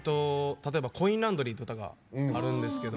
例えば「コインランドリー」って曲があるんですけど。